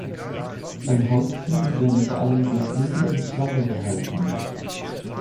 An Haustieren werden vor allem Geflügel und Schweine gehalten.